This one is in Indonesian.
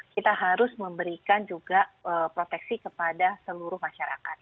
kita harus memberikan juga proteksi kepada seluruh masyarakat